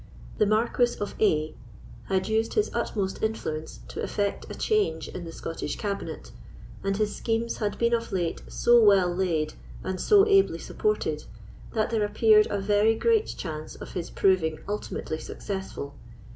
The Marquis of A—— had used his utmost influence to effect a change in the Scottish cabinet, and his schemes had been of late so well laid and so ably supported, that there appeared a very great chance of his proving ultimately successful.